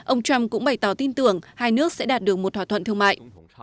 ông trump cũng bày tỏ tin tưởng hai nước sẽ đạt được một thỏa thuận thương mại